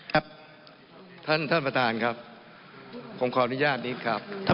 ครับท่านประธานครับผมขออนุญาตนิดครับ